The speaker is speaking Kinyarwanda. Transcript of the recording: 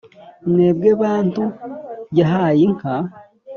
mwebwe bantu yahaye inka